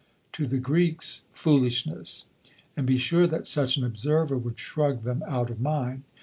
To the Greeks foolishness! And be sure that such an observer would shrug them out of mind.